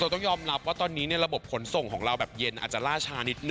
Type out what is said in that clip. ต้องยอมรับว่าตอนนี้ระบบขนส่งของเราแบบเย็นอาจจะล่าช้านิดนึ